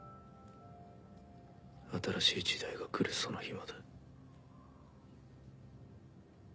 新しい時代が来るその日まで。